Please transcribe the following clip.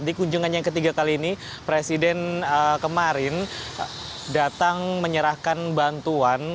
di kunjungan yang ketiga kali ini presiden kemarin datang menyerahkan bantuan